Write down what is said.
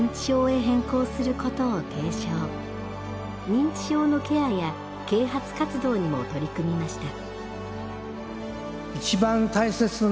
認知症のケアや啓発活動にも取り組みました。